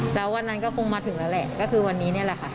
แล้ววันนั้นก็คงมาถึงแล้วแหละก็คือวันนี้นี่แหละค่ะ